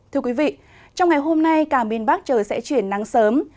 thưa quý vị trong ngày hôm nay cả miền bắc trời sẽ chuyển nắng sớm